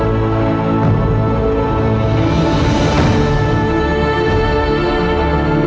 aku ingin tahu ibu